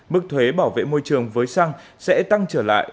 mức thuế bảo vệ môi trường với xăng sẽ tăng trở lại